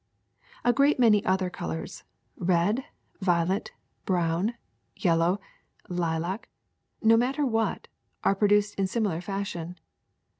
^'A great many other colors — red, violet, brown, yellow, lilac, no matter what — are produced in simi lar fashion.